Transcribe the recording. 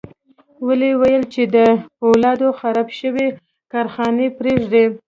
ويې ويل چې د پولادو خرابې شوې کارخانې پرېږدي.